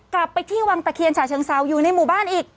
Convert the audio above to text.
กลับไปที่วังตะเคียนฉะเชิงเซาอยู่ในหมู่บ้านอีก